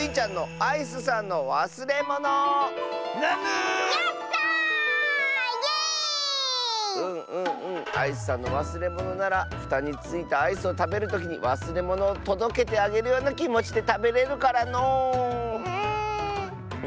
「アイスさんのわすれもの」ならふたについたアイスをたべるときにわすれものをとどけてあげるようなきもちでたべれるからのう。